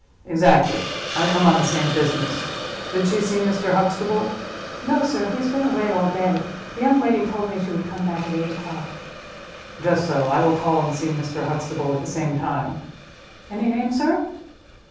"Exactly; I come on the same business. Did she see Mr. Huxtable?" "No, sir; he has been away all day. The young lady told me she would come back at eight o'clock." "Just so. I will call and see Mr. Huxtable at the same time." "Any name, sir?"